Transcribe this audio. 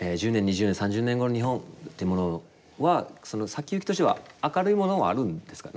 １０年２０年３０年後の日本っていうものはその先行きとしては明るいものはあるんですか？